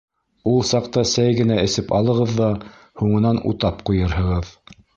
— Ул саҡта сәй генә эсеп алығыҙ ҙа, һуңынан утап ҡуйырһығыҙ.